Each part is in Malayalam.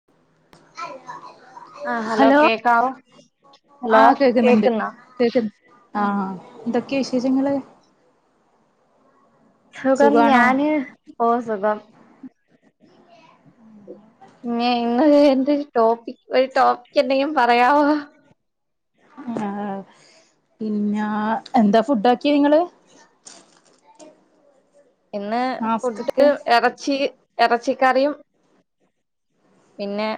അ [unintelligible] ആഹ് ഹലോ കേക്കാവോ? ഹലോ ആഹ് കേക്ക്ന്ന് ഇണ്ട്. കേക്കുന്നോ കേക്ക് ഉം ആഹ് എന്തൊക്കെ വിശേഷങ്ങെൾ? സുഖം. സുഖാണോ ഞാന് ഓഹ് സുഖം. ഇഞ്ഞെയ് ഇന്ന് ഒര് എന്ത് ടോപ്പിക് ഒരു ടോപ്പിക് എന്തെങ്കിലും പറയാവോ? ആഹ് പിന്നാ എന്താ ഫുഡ് ആക്കിയെ നിങ്ങെൾ ഇന്ന് ഫുഡ് നാസ്തക്ക് എറച്ചി എറച്ചി കറിയും പിന്നെ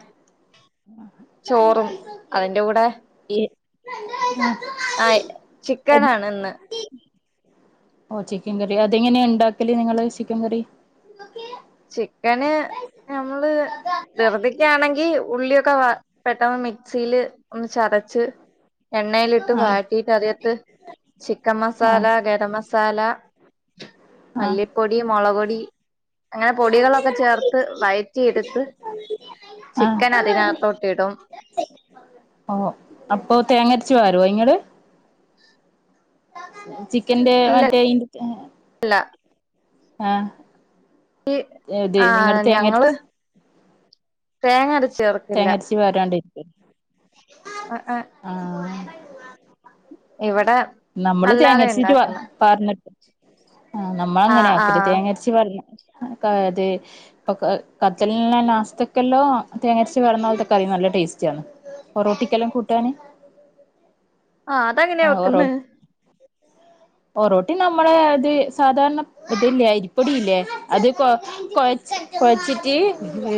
സധ ചോറും വയസക്ക അതിന്റെ കൂടെ സ വ [unintelligible] ആഹ് ചിക്കെൻ ആണ് ഇന്ന് ഓഹ് ചിക്കെൻ കറിയാ അത് എങ്ങനെയാ ഇണ്ടാക്കെൽ നിങ്ങെൾ ചിക്കെൻ കറി ചിക്കെന് നമ്മെൾ ദെർബിക്ക ആണെങ്കി ഉള്ളിയൊക്കെ വാ പെട്ടെന്ന് മിക്സീൽ ഒന്ന് ചതച്ച് എണ്ണെൽ ഇ ട്ട് ആഹ് വാട്ടിട്ട് അതിയെത്ത് ചിക്കെൻ മസാല, ആഹ് ഗര മസാല ആഹ് മല്ലിപ്പൊടി മൊളക് പൊടി അങ്ങനെ പൊടികളൊക്കെ ചേർത്ത് വയറ്റി എട്ത്ത് ആഹ് ചിക്കെൻ അതിന് അക ത്തോട്ട് ഇടും ഓഹ് അപ്പോ തേങ്ങ അര്ച്ച് പാരോ ഇങ്ങെൾ ചിക്കന്റെ മറ്റെ ഈ [inaudible] ഇല്ലാ ആഹ് ഈ ഇത് നിങ്ങള് ആഹ് ഞങ്ങള് തേങ്ങരച്ച് തേങ്ങ അര്ച്ചേർക് തെങ്ങര്ച്ച് പാരണ്ടയ്ക്ക് അ ആഹ് ആഹ് ഇവിടെ നമ്മള് അല്ലാതെ തേങ്ങച്ചിട്ട് ഇണ്ടാക്കുന്നെ പാർന്നിട്ട് ആഹ് ആഹ് നമ്മളങ്ങനെയ ആക്കല് ആഹ് തേങ്ങര് [unintelligible] തേങ്ങര്ച്ച് വെർന്ന പോലത്തെ കറി നല്ല ടേസ്റ്റയാണ്. പൊറോട്ടിക്കെല്ലാം കൂട്ടാന് ആഹ് അതെങ്ങനെയാ ആഹ് ഒറൊ വെക്കുന്നെ [inaudible] പൊറോട്ടിം നമ്മളെ ഇത് സാധാരണ ഇതില്ലേയ് അരിപ്പൊടിയില്ലേ അത് കൊ കൊഴ കൊഴച്ചിട്ട്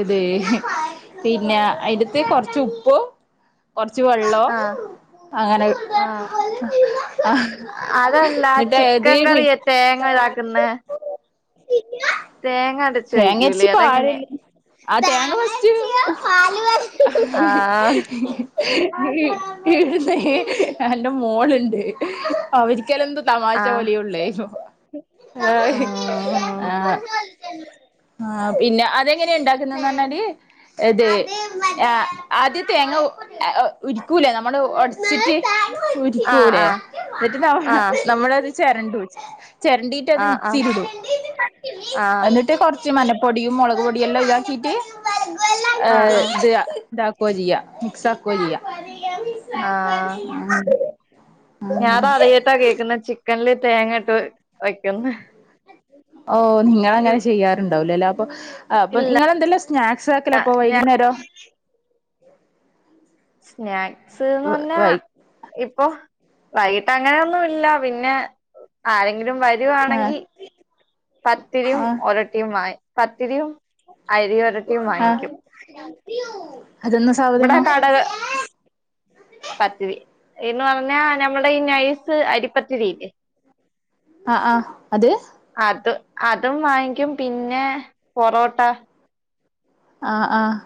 ഇത് പിന്നെ അയിന്റ്ത്ത് കൊർച്ച് ഉപ്പും കൊർച്ച് വെള്ളോ ആഹ് അങ്ങനെ ആഹ് ആഹ് അതല്ല എന്നിട്ട് അത് ചിക്കൻ മി കറിയ തേങ്ങ ഇതാക്കുന്നേയ് [unintelligible] തേങ്ങ അടച്ച് ഒഴിക്കൂല്ലേ അതെങ്ങനേ ആഹ് തേങ്ങ ഫസ്റ്റ് [inaudible] ആഹ് ഈട്ന്നേ അന്റെ മോള്ണ്ട് അവര്ക്കെലെന്ദോ തമാശ ആഹ് പോലെ ഒള്ളെ. ആഹ് ഉം ആഹ് പിന്നെ അതെങ്ങനെയ ഉണ്ടാക്കുന്നന്നർഞ്ഞാല് എതെ ആഹ് ആദ്യം തേങ്ങവ് ഉരിക്കൂലേ നമ്മള് ഒട്ച്ചിട്ട് ആഹ് ക്കൂലെ ആഹ് എന്നിട്ട് നമ്മ ആഹ് നമ്മളത് ചെരണ്ടു ചെര്ണ്ടിട്ട് അത് ആഹ് ആഹ് മിക്സില് ഇടും. എന്നിട്ട് ആഹ് ന്നട്ട് കൊർച്ച് മഞ്ഞപ്പൊടിയും മൊളക് പൊടിയും എല്ലാ ഇതാക്കിട്ട് ആഹ് ഏഹ് ആഹ് ഇത് ഇതാക്കോ ചെയ്യ മിക്സ് ആക്കോ ചെയ്യ [inaudible] ഞാ റാറിയ്ട്ട കേക്കുന്നെ ചിക്കൻല് തേങ്ങട്ട് വെക്കുന്നെ ഓഹ് നിങ്ങള് അങ്ങനെ ചെയ്യാറുണ്ടാവുലലെ അപ്പൊ ആപ്പൊ ഇല്ല ഇങ്ങളെന്തല്ല സ്നാക്സ് ആക്കല് അപ്പൊ ഞാൻ വൈകുന്നേരം? സ്നാക്സ്ന്ന് പർഞ്ഞാ വൈ ഇപ്പൊ വൈകിട്ട് അങ്ങനൊന്നുല്ല പിന്നെ ആരെങ്കിലും ആഹ് വരുവാണെങ്കി പത്തിരിയും ആഹ് ഒര [unintelligible] പത്തിരിയും അരി വർ ആഹ് അതെന്ന ഇവടെ സാധനോ കടക പത്തിരി എന്ന് പറഞ്ഞാ നമ്മടെ ഈ നൈസ് അരിപ്പത്തിരില്ലേ [inaudible] അ ആഹ് അത് അത് അതും വാങ്ങിക്കും പിന്നെ പൊറോട്ട ആഹ് ആഹ്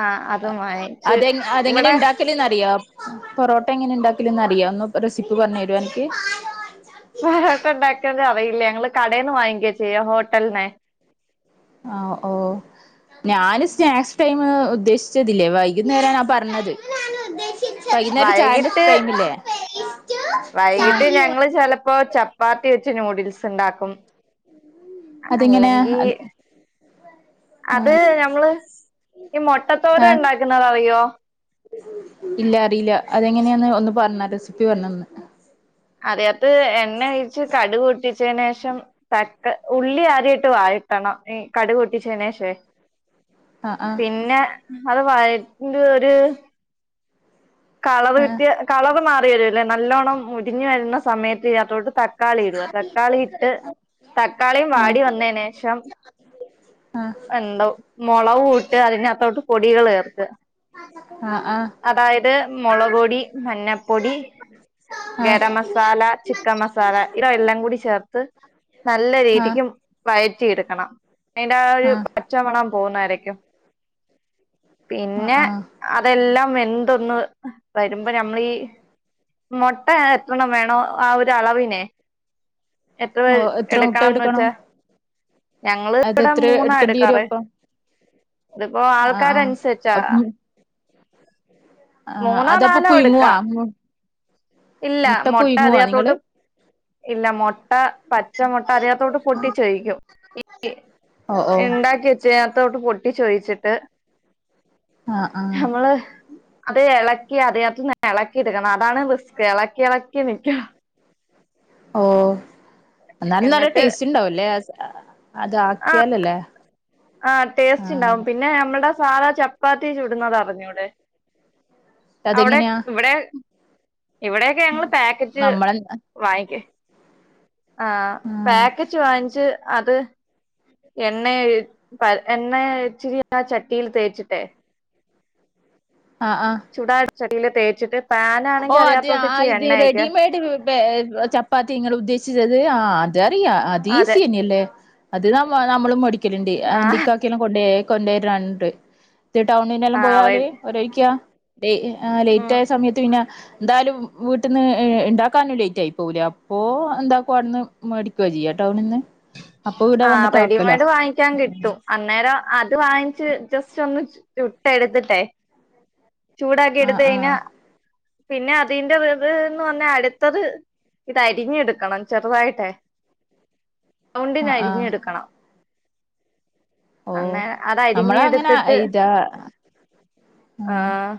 ആ അതും വാങ്ങിച്ച് അതെ അതെങ്ങനെ ഇവിടെ ഇണ്ടാക്കലന്ന് അറിയാ? പൊറോട്ട എങ്ങനെ ഇണ്ടാക്ക്ല്ന്ന് അറിയോ? ഒന്ന് ഒരൊസിപ്പി പർഞ്ഞരോ എനിക്ക് പറോട്ട ഇണ്ടാക്കാൻ അറിയില്ല ഞങ്ങള് കടേന്ന് വാങ്ങിക്ക്യയാ ചെയ്യ ഹോട്ടൽന്നെ ആഹ് ഓഹ് ഞാന് സ്നാക്സ് ടൈം ഉദ്ദേശിച്ചതില്ലേ വൈകുന്നേര ഞാൻ പറഞ്ഞത്. വൈകുന്നേരം ചായന്റെ വൈകിട്ട് ടൈമില്ലേയ് പ്പൊ ചപ്പാത്തി വെച്ച് ന്യൂഡിൽസ് ഇണ്ടാക്കും. അതെങ്ങനെ അല്ലെങ്കി അത് അത് ആഹ് ഞമ്മള് ഈ മൊട്ടത്തോരൻ ആഹ് ഇണ്ടാക്കുന്നത് അറിയോ? ഇല്ല അറിയില്ല അതെങ്ങനെയാന്ന് ഒന്ന് പറഞ്ഞ റെസിപ്പി പറഞ്ഞന്ന് അറിയത് എണ്ണ കഴച്ച് കടു പൊട്ടിച്ചതിന്ശേഷം തക്ക ഉള്ളി ആദ്യയിട്ട് വാട്ടണം ഈ കടുക് പൊട്ടിച്ചതിന് ശേഷോയ് ആഹ് ആഹ് പിന്നെ അത് വരണ്ടു ഒരു കളറ് ആഹ് വ്യത്യ കളറ് മാറി വരൂലേ നല്ലോണ്ണം മൊരിഞ്ഞു വരുന്ന സമയത്ത് ഇതിനത്തോട് ത തക്കാളി ഇടുക തക്കാളി ഇട്ട് തക്കാളിയും ആഹ് വാടി വന്നതിന്ശേഷം ആഹ് എന്തോ മുളകകൂട്ട് അതിനകത്തോട്ടെക്ക് പൊടികൾ ചേർക്ക ആഹ് ആഹ് അതായത് മുളക് പൊടി മഞ്ഞപ്പൊടി ആഹ് ഗരംമസാ മസാല ചിക്കൻ മസാല ഇത് എല്ലാം കൂടി ചേർത്ത് നല്ല രീതിക്കും ആഹ് വയറ്റിയെടുക്കണം അതിന്റെ ആ ഒരു ആഹ് പച്ചമണം പോകുന്ന വരേക്കും പിന്നെ ആഹ് അതെല്ലാം വെന്തൊന്ന് വരുമ്പോ നമ്മളീ മുട്ട എത്രണ്ണം വേണോ ആഹ് ഒരു അളവിനെ എത്ര പേർ ഓഹ് എത്ര മുട്ട എടുക്കണംന്ന് എടുക്കണം വെച്ചാ ഞങ്ങള് അത് ഇവിടെ എത്ര മൂന്നാ എടുക്കേണ്ടി വരും എടുക്കാറ് അപ്പം ഇതിപ്പോ ആഹ് കതൻസച്ച ആഹ് മൂന്നോ അതപ്പൊ നാലോ പുയുങ്ങുവ എടുക്കാം ഇല്ല മൊട്ട നിങ്ങള് അറിയാത്തോട്ട് ഇല്ല മുട്ട പച്ച മുട്ട അറിയാത്തോട്ട് പൊട്ടിച്ചോയിക്കും ഈ ഓഹ് ഓഹ് എണ്ടാക്കി ച്ചേത്തോട്ട് പൊട്ടിച്ചൊഴിച്ചിട്ട് ആഹ് ആഹ് നമ്മള് അത് ഇളക്കി അതിനകത്ത് ഇളക്കി എടുക്കണം അതാണ് റിസ്ക് ഇളക്കി ഇളക്കി നിൽക്കണം ഓ എന്നാലും നല്ല എന്നിട്ട് ടേസ്റ്റ്ണ്ടാവല്ലേ അത് ആക്കിയാലല്ലേ ആഹ് ടേസ്റ്റ് ഉണ്ടാവും ആഹ് പിന്നെ നമ്മുടെ സാധാ ചപ്പാത്തി ചൂടുന്നത് അറിഞ്ഞൂടെ അവിടെ അതെങ്ങനെയാ ഇവിടെ ഇവിടെയക്കെ ഞങ്ങള് പാക്കറ്റ് നമ്മളെ വാങ്ങിക്ക ആഹ് പാക്കറ്റ് വാങ്ങിച്ച് അത് എണ്ണ എണ്ണ ഇച്ചിരി ആ ചട്ടിയിൽ തേച്ചിട്ടെ ആഹ് ആഹ് ചൂടാൻ ചട്ടിയിൽ തേച്ചിട്ട് ഓ പാനാണെങ്കി അതെ അതിനകത്തോട്ട് ആഹ് ഇച്ചിരി ഇത് എണ്ണ ഒഴിക്കുക റെഡിമേഡ ചപ്പാത്തി നിങ്ങൾ ഉദ്ദേശിച്ചത് ആഹ് അതറിയാ അത് അതെ ഈസി തന്നെയല്ലേ അതിനാമ്പ നമ്മളും മടിക്കലുണ്ട് ആ എന്റിക്കാക്കെല്ലാം കൊണ്ട കൊണ്ടരണ്ട് ഇത് ടൗണന്നെല്ലാം ആ പോയാല് റെഡി ഒഴരിക്ക ലേറ്റ് ആയ ഉം സമയത്ത് പിന്നെ എന്തായാലും വീട്ടിൽന്ന് ഇണ്ടാക്കാനും ലേറ്റയിപൊകുലേ അപ്പോ എന്താക്കുംവിടുന്ന് മേടി കജിയ ടൗണിന്ന് ആഹ് റെഡിമെയ്ഡ് വാങ്ങിക്കാൻ കിട്ടും അന്നേരം അത് വാങ്ങിച്ച് ജസ്റ്റ് ഒന്ന് ചുട്ട് എടുത്തിട്ടേ ചൂടാക്കി എടുത്ത് ആഹ് കഴിഞ്ഞ ആഹ് പിന്നെ അതിന്റെ വതന്ന് പറഞ്ഞാ അടുത്തത് ഇതരിഞ്ഞെടുക്കണം ചെറുതായിട്ടേ ആഹ് ആഹ് തൊണ്ടിനരിഞ്ഞെടുക്കണം ഓ അന്നേ നമ്മള അങ്ങനെ അതരിഞ്ഞെടുത്തിട്ട് ഇതാ ആഹ്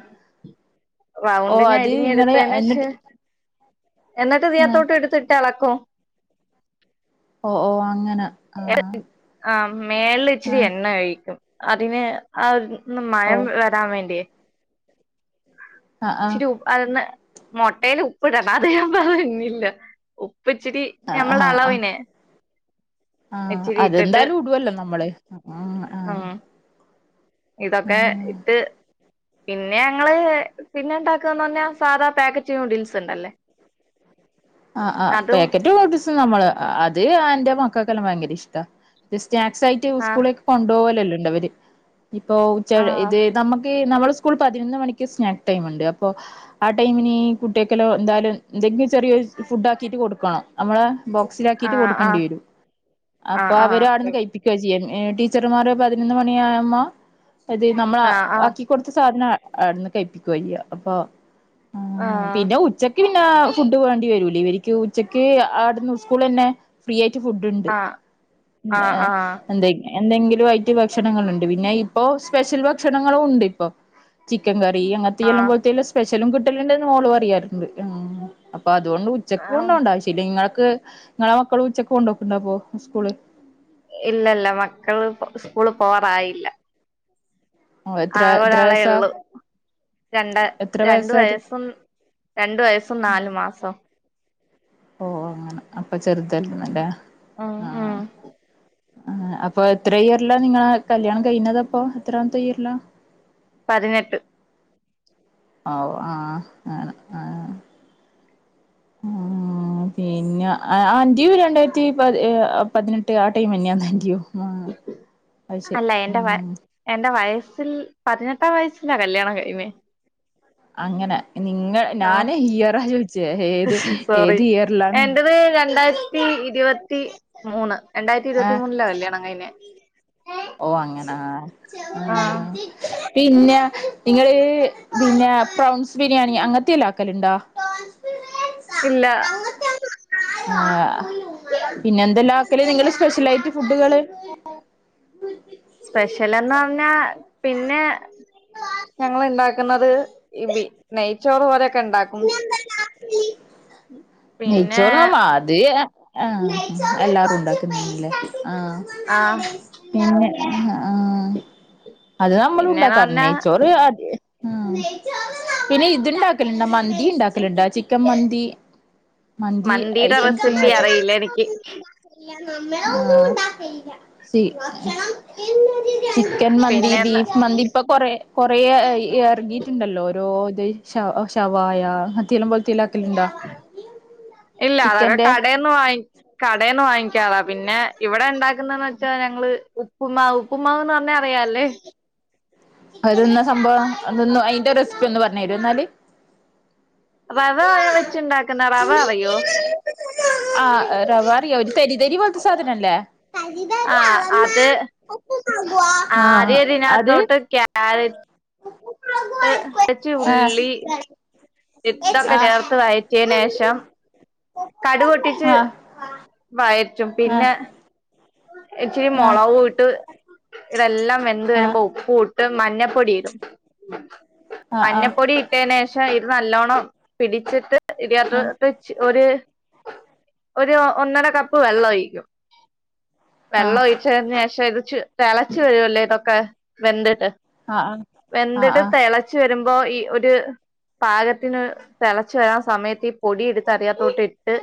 ഓ റൗണ്ടിന് അത് ഇങ്ങള് അരിഞ്ഞെടുത്തേനക്ഷേ എന്നിട്ട് എന്നിട്ട് ആഹ് ഇതിനകത്തോട്ട് എടുത്തിട്ട് എളക്കും ഓ ഓ അങ്ങനെ ആഹ് ആഹ് മേളിൽ ഇച്ചിരി ആഹ് എണ്ണ ഒഴിക്കും അതിന് ആത് ഒന്ന് ഓ മയം വരാൻ വേണ്ടിയേ ആഹ് ആഹ് ഇച്ചിരി ഉപ്പ് അതന്ന് മുട്ടേൽ ഉപ്പ് ഇടണം അത് ഞാൻ പറഞ്ഞില്ല ഉപ്പ് ഇിച്ചിരി ഞമ്മടെ ആഹ് ആഹ് ആഹ് അളവിനെ ആഹ് അതെന്താലും ഇടുവല്ലോ നമ്മള് ആഹ് ആഹ് ഉം ഇതൊക്കെ ആഹ് ഇട്ട് പിന്നെ ഞങ്ങള് പിന്നെ ഇണ്ടാക്കാ ന്ന പറഞ്ഞാ സാധാ പാക്കറ്റ് നൂഡിൽസ് ഉണ്ടല്ലേ [inaudible] ആഹ് ആഹ് അതും പാക്കറ്റ് നൂഡിൽസ് അത് നമ്മള് അത് ആന്റെ മക്കൾക്കെല്ലാം ഭയങ്കര ഇഷ്ട സ്നാക്സ് ആയിട്ട് ആഹ് സ്കൂള കൊണ്ടുപോകലല്ലോണ്ട് അവര് ഇപ്പോ ഉച്ച ആഹ് ഇത് നമ്മുക്ക് നമ്മൾ സ്കൂ സ്കൂൾ പതിനൊന്ന് മണിക്ക് സ്നാക്ക് ടൈം ഉണ്ട് അപ്പോ ആഹ് ടൈമിന് ഈ കുട്ടികക്കെല്ലോ എന്തായാലും എന്തെങ്കിലും ചെറിയ ഫുഡ് ആക്കിട്ട് കൊടുക്കണം നമ്മള് ബോക്സിലാക്കിട്ട് ആഹ് കൊടുക്കേണ്ടി വരും ആഹ് അപ്പൊ അവര് ആഹ് അവിടുന്ന് കഴിപ്പി ക്കുവാ ചെയ്യ ടീച്ചർമാർ പതിനൊന്ന് മണിയാകുമ്പ ഇത് നമ്മള ആഹ് ആഹ് ആക്കി കൊടുത്ത് സാധനം അടുന്ന് കഴിപ്പിക്കയ്യ അപ്പൊ ആഹ് പിന്നെ ഉച്ച ക്ക് പിന്നെ ഫുഡ് വേണ്ടി വരൂല ഇവർക്ക് ഉച്ചക്ക് ആവിടുന്ന് സ്കൂൾ തന്നെ ഫ്രീ ആയിട്ട് ഫുഡ് ഉണ്ട് ആഹ് ആഹ് ആഹ് ആഹ് എന്ത എന്തെങ്കിലും ആയിട്ട് ഭക്ഷണങ്ങളുണ്ട് പിന്നെ ഇപ്പൊ സ്പെഷ്യൽ ഭക്ഷണങ്ങളും ഉണ്ട് ഇപ്പൊ ചിക്കൻ കറി അങ്ങ തീയെല്ലാം ആഹ് കോളുത്തീല് സ്പെഷലും കിട്ടലുണ്ടെന്ന് മോള് പറയാറുണ്ട് അപ്പൊ അതുകൊണ്ട് ഉച്ചക്ക് ആഹ് കൊണ്ടോവണ്ടാവശ്യം പിന്നെ ങ്ങാക്ക് ങ്ങളെ മക്കള് ഉച്ചക്ക കൊണ്ടോക്ക്ണ്ടോപ്പോ സ്കൂള് ഇല്ലല്ല മക്കള് പോ സ്കൂള് പോവാറായില്ല ഓ എത്ര ആകെ എത്ര വയസാ ഒരാളേള്ളു രണ്ട് എത്ര രണ്ട് വയസാത് വയസും രണ്ടു വയസ്സും നാലു മാസം ഓഹ് അങ്ങനെ അപ്പൊ ചെറുതാരുന്നല്ലേ ഉം ആ ഉം ആഹ് അപ്പൊ എത്ര ഇയറിലാ നിങ്ങളെ കല്യാണം കഴിഞ്ഞതപ്പോ എത്രാമത്തെ ഇയറിലാ പതിനെട്ട് ഔ ആഹ് ആണ് ആഹ് [inaudible] ആഹ് പിന്നെ അന്റെയും രണ്ടായിരത്തി പതി പതിനെട്ട് ആ ടൈം തന്നെയ അൻറിയും അല്ല എന്റെ വയ ആഹ് എന്റെ വയസ്സിൽ പതിനെട്ടാം വയസ്സിലാ കല്യാണം കഴിഞ്ഞേ അങ്ങനെ നിങ്ങൾ ആഹ് സോറി ഏത് ഇയറിലാണ് എന്റേത് രണ്ടായിരത്തി ഇരുപത്തി മൂന്ന് രണ്ടായിരത്തി ഇരുപത്തി മൂന്നിലാ കല്യാണം കയിഞ്ഞെ ഓഹ് അങ്ങനാ ആഹ് പിന്നെ നിങ്ങള് പിന്നെ പ്രൗൺസ് ബിരിയാണി അങ്ങനത്തെയ എല്ല ആക്കലുണ്ടോ ഇല്ല ആഹ് പിന്നെ എന്തല്ലാക്കല് നിങ്ങള് സ്പെഷ്യലായിട്ട് ഫുഡുകള് സ്പെഷ്യല്ന്ന് പറഞ്ഞാ പിന്നെ ഞങ്ങള് ഇണ്ടാക്കുന്നത് ബി നെയ്ച്ചോറ് പോലെയൊക്കെണ്ടാക്കും പിന്നെ നെയച്ചോറ്‌ന്ന് മാ ദേ എഹ് ആഹ് എല്ലാരും ഉണ്ടാക്കുന്നല്ലേ ആഹ് ആഹ് പിന്നെ ആഹ് അത് പിന്നേന്ന് നമ്മളണ്ടാക്കാറ് പറഞ്ഞാ നെയ്ച്ചോ ഒരു അടി പിന്നെ ഇത് ഇണ്ടാക്കല്ണ്ടോ മന്തി ഇണ്ടാക്കലുണ്ടോ ചി ക്കൻ മന്തി മന്തി മന്തീടെ ഐറ്റംസ് റെസിപ്പി അറിയില്ല എനിക്ക് സി ചിക്കൻ മന്തി പിന്നേന്ന് ബീഫ് മന്തി ഇപ്പൊ കൊറെ കൊറേ എറങ്ങിയിട്ടുണ്ടല്ലോ ഓരോ ഇത് ഷ ഷവായ [unintelligible] ഇല്ല അതൊക്കെ ചിക്കന്റെ കടേ ന്നു വായി കടേന്ന് വാങ്ങിക്കാറാ പിന്നെ ഇവിടെണ്ടാക്കുന്നെന്ന് വെച്ചാ ഞങ്ങള് ഉമ് ഉപ്പുമാവ് ഉപ്പ്മാവ്ന്ന് പറഞ്ഞ അറിയാല്ലേ അരുന്ന സംഭവം അതൊന്ന് അതിന്റെ റെസിപ്പി ഒന്ന് പറഞ്ഞ് തരോ എന്നാല് വേ വ ആഴ വെ ആ റവാ യോ തരി തരി പോലത്തെ സാധനല്ലേ ആ അത് ആ ആദ്യം അത് ഇതിനാത്തോട്ട് ക്യാര ട്ട് വെച്ച ഉള്ളി ആ ആഹ് ഇതൊക്കെ ചേർത്ത് വയറ്റിയേന് ശേഷം ആഹ് കടുക് പൊട്ടിച്ച് വയറ്റും ആഹ് പിന്നെ ഇച്ചിരി ആഹ് മൊളകുവിട്ട് ഇതെല്ലാം വെന്ത് വരുമ്പോ ആഹ് ഉപ്പു ഇട്ട് മഞ്ഞപ്പൊടി ഇടും ആഹ് ആഹ് ആഹ് മഞ്ഞപ്പൊടി ഇട്ടേന് ശേഷം ഇത് നല്ലോണ്ണം പിടിച്ചിട്ട് ഇടിയാത്തോത്തെ ഒരു ഒരു ഒന്നര കപ്പ് വെള്ളൊഴിക്കും വെള്ളം ആഹ് ഒഴിച്ചതിന് ശേഷം ഇത് ച് തെളച്ച് വരുല്ലേ ഇതൊക്കെ വെന്തിട്ട് ആഹ് ആഹ് വെന്തിട്ട് ആഹ് തെളച്ചു വരുമ്പോ ഈ ഒരു പാകത്തിന് തെളച്ച് വരാൻ സമയത്ത് ഈ പൊടി എടുത്ത് അതിനാത്തോട്ട് ഇട്ട്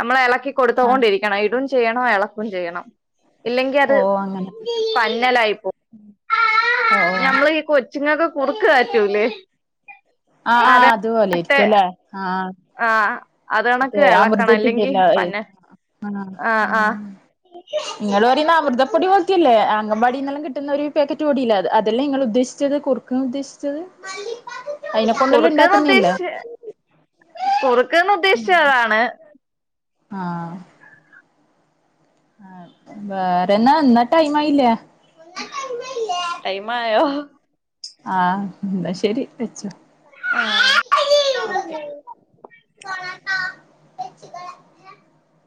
നമ്മളെ എളക്കി ആഹ് കൊടുത്തോണ്ടിരിക്കണം ഇടും ചെയ്യണം എളക്കോം ചെയ്യണം ഇല്ലെങ്കി അത് ഓഹ് അങ്ങനെ പന്നലായിപ്പോവും ഓഹ് ഓഹ് ഞമ്മളീ കൊ ചിങ്ങക്ക് കുറുക്ക് കാച്ചുലെ ആഹ് ആഹ് അതുപോലെ ഇരിക്കും അല്ലേ ആഹ് ആഹ് അത് ഇത് കണക്ക് ഇളക്കണം അല്ലെങ്കി അമൃതത്തിന്റെല്ല പന്ന ആഹ് ആഹ് നിങ്ങള് പറയുന്ന അമൃതപ്പൊടി പോൽത്തെയല്ലേ അങ്കമ്പാടിന്നേല്ലാം കിട്ടുന്ന ഒരു പാക്കറ്റ് പൊടിയില്ലേ അത്‌ അതല്ലേ ഇങ്ങൾ ഉദ്ദേശിച്ച ചത് കുർക്ക് ഉദ്ദേശിച്ചത് അയിനെ കൊണ്ടല്ലാം കുറ്ക്ക്ന്ന് ഉണ്ടാക്കുന്നയല്ലേ ഉദ്ദേശിച്ച കുറുക്ക്ന്ന് ഉദ്ദേശിച്ച അതാണ് ആഹ് വേറെ എന്നാ എന്നാ ടൈം ആയില്ലേ ടൈം ആയോ ആഹ് എന്നാ ശെരി വെച്ചോ ആ [inaudible]